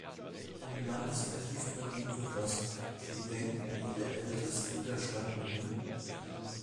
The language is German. Im Landesarchiv Berlin wird das "Gedenkbuch der Ältesten der Stadt Berlin" geführt.